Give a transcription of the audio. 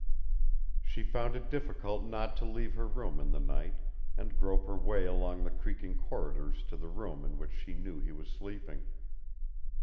She found it difficult not to leave her room in the night, and grope her way along the creaking corridors to the room in which she knew he was sleeping.